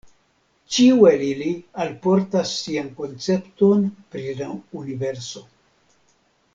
Ĉiu el ili alportas sian koncepton pri la universo.